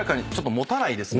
持たないですね。